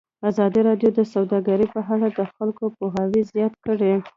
ازادي راډیو د سوداګري په اړه د خلکو پوهاوی زیات کړی.